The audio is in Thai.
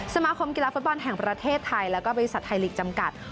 สมาคมกีฬาฟุตบอลแห่งประเทศไทยแล้วก็บริษัทไทยลีกจำกัด